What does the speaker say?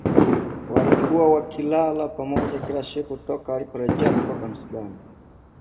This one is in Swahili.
Walikuwa wakilala pamoja kila siku toka waliporejea kutoka msibani